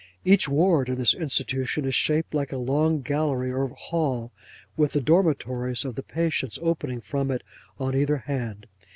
Each ward in this institution is shaped like a long gallery or hall, with the dormitories of the patients opening from it on either hand.